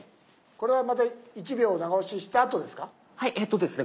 これはまた１秒長押ししたあとですか？